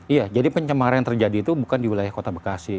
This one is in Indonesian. iya jadi pencemaran yang terjadi itu bukan di wilayah kota bekasi